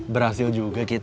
berhasil juga kita